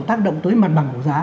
tác động tới mặt bằng của giá